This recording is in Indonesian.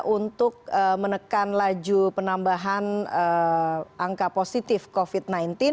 untuk menekan laju penambahan angka positif covid sembilan belas